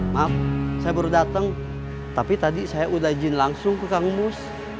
maaf saya baru datang tapi tadi saya udah jin langsung ke kang mus